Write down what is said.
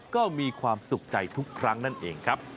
ก็มีความสุขใจทุกครั้งนั่นเองครับ